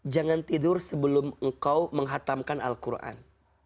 jangan tidur sebelum engkau menghatamkan al quran